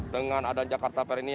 dengan adanya jakarta fair ini